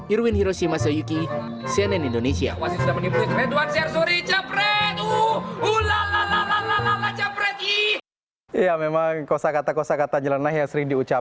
irwin hiroshima soyuki cnn indonesia